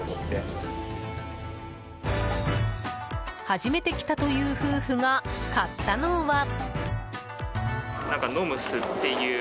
初めて来たという夫婦が買ったのは。